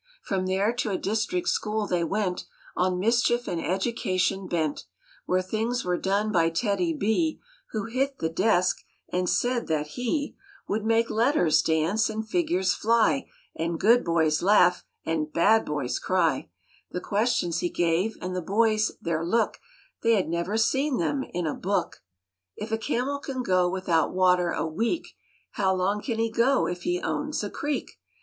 From there to a district school they went, On mischief and education bent, Where things were done by TEDDY B, Who hit the desk and said that he m Would make letters dance and figures fly And good boys laugh and bad boys cry; The questions he gave; and the boys, their look; They had never seen them in a book: If a camel can go without water a week How long can he go if he owns a creek?